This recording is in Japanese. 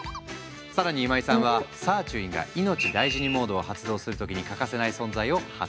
更に今井さんはサーチュインが「いのちだいじにモード」を発動する時に欠かせない存在を発見した。